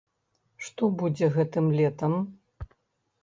Што будзе гэтым летам?